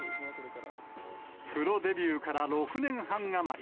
プロデビューから６年半余り。